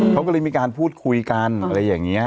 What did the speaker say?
เขาก็เลยมีการพูดคุยกันอะไรอย่างนี้